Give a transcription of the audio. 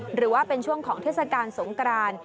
หรือว่าเป็นช่วงของเทศกาลสงกราน